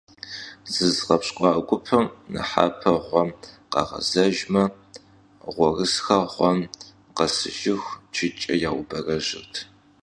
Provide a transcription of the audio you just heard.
ЗызгъэпщкӀуа гупым нэхъапэ гъуэм къагъэзэжмэ, гъуэрысхэр гъуэм къэсыжыху чыкӀэ яубэрэжьырт.